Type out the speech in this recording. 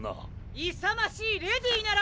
・いさましいレディーなら！